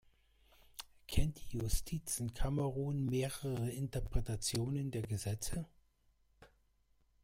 Kennt die Justiz in Kamerun mehrere Interpretationen der Gesetze?